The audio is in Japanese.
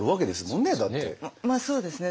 まあそうですね。